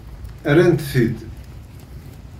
Rrant-t-id.